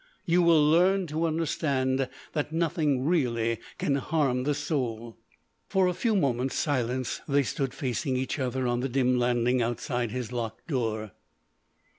You will learn to understand that nothing really can harm the soul." For a few moments' silence they stood facing each other on the dim landing outside his locked door.